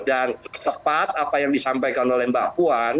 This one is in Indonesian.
dan tepat apa yang disampaikan oleh mbak puan